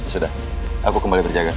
sudah aku kembali berjaga